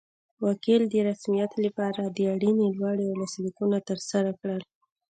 وکیل د رسمیت لپاره اړینې لوړې او لاسلیکونه ترسره کړل.